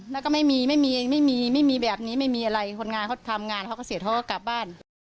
แล้วก็ไม่มีไม่มีไม่มีไม่มีแบบนี้ไม่มีอะไรคนงานเขาทำงานเขาก็เสร็จแล้วก็กลับบ้าน